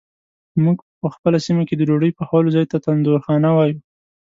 مونږ په خپله سیمه کې د ډوډۍ پخولو ځای ته تندورخانه وایو.